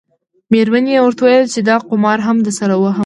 میرمنې یې ورته وویل چې دا قمار هم درسره وهم.